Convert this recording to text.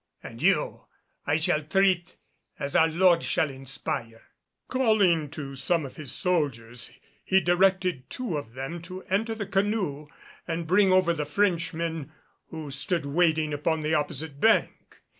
And you I shall treat as our Lord shall inspire." Calling to some of his soldiers, he directed two of them to enter the canoe and bring over the Frenchmen, who stood waiting upon the opposite bank.